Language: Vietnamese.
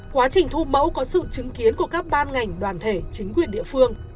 quá trình thu mẫu có sự chứng kiến của các ban ngành đoàn thể chính quyền địa phương